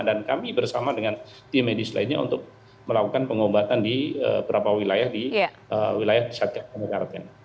dan kami bersama dengan tim medis lainnya untuk melakukan pengobatan di beberapa wilayah di satgas damai kartens